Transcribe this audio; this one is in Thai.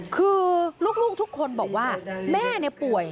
คือลูกทุกคนบอกว่าแม่ป่วย